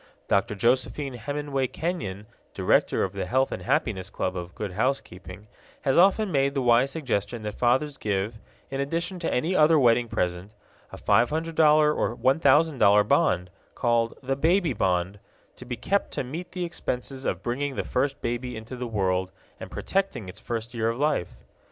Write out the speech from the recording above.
Dr. Josephine Hemenway Kenyon, director of the Health and Happiness Club of Good Housekeeping, has often made the wise suggestion that fathers give, in addition to any other wedding present, a $500 or $1000 bond, called "The Baby Bond," to be kept to meet the expenses of bringing the first baby into the world and protecting its first year of life.